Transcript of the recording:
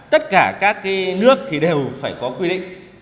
tất cả các nước đều phải có quy định